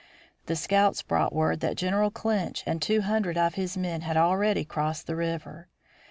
The scouts brought word that General Clinch and two hundred of his men had already crossed the river.